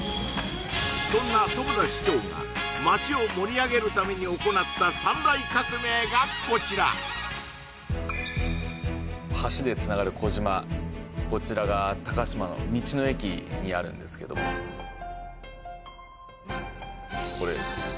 そんな友田市長が町を盛り上げるために行った三大革命がこちら橋でつながる小島こちらが鷹島の道の駅にあるんですけどもこれです